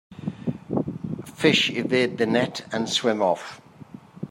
Fish evade the net and swim off.